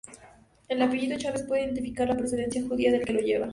El apellido Chávez puede indicar la procedencia judía del que lo lleva.